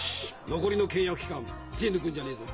残りの契約期間手ぇ抜くんじゃねえぞ。